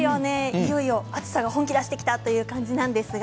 いよいよ暑さが本気出してきた感じです。